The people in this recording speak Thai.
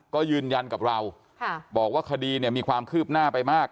ก็ยืนยันกับเราบอกว่าคดีเนี่ยมีความคืบหน้าไปมาก